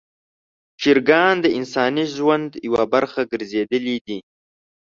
چرګان د انساني ژوند یوه برخه ګرځېدلي دي.